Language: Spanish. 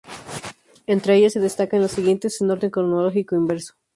Entre ellos se destacan los siguientes en orden cronológico inverso.